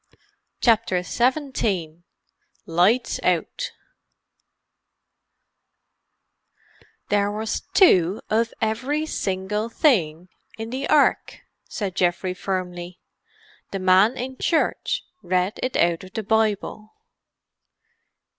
CHAPTER XVII LIGHTS OUT "There was two of every single thing in the Ark," said Geoffrey firmly. "The man in Church read it out of the Bible."